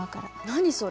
何それ？